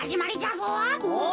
お！